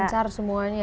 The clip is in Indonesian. lancar semuanya ya